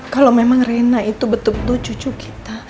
kalau memang rina itu betul betul cucu kita